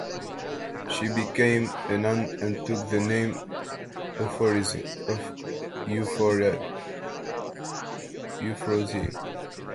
She became a nun and took the name Euphrosyne.